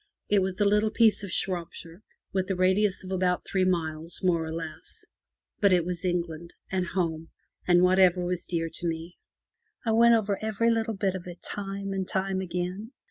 It was a little piece of Shropshire with a radius of about three miles, more of less. But it was England and home and whatever was dear to me. I went over every little bit of it time and time again.